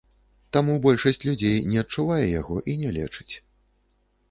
Таму большасць людзей не адчувае яго і не лечыць.